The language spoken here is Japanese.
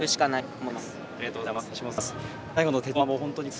おめでとうございます。